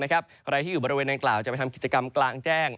ใครที่อยู่บริเวณนางกล่าวจะไปทำกิจกรรมกลางแจ้ง